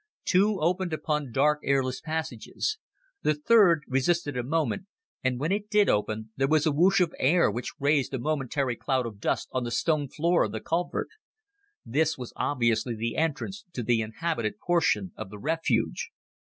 Two opened upon dark airless passages. The third resisted a moment, and when it did open, there was a whoosh of air which raised a momentary cloud of dust on the stone floor of the culvert. This was obviously the entrance to the inhabited portion of the refuge.